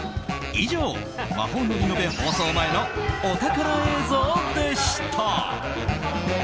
以上、「魔法のリノベ」放送前のお宝映像でした。